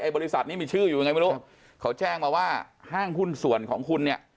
บริษัทนี้มีชื่ออยู่ยังไงไม่รู้เขาแจ้งมาว่าห้างหุ้นส่วนของคุณเนี่ย